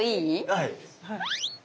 はい。